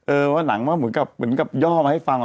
เออว่าหนังเหมือนกับย่อมาให้ฟัง